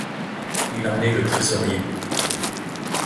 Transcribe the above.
Il en est le trésorier.